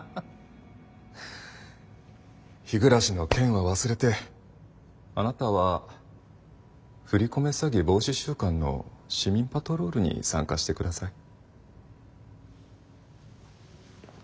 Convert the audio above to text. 日暮の件は忘れてあなたは振り込め詐欺防止週間の市民パトロールに参加して下さい。